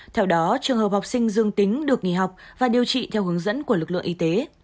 theo đó trường hợp học sinh dương tính được nghỉ học và điều trị theo hướng dẫn của lực lượng y tế